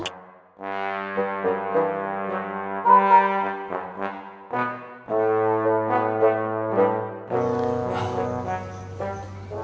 nanti aku jalan dulu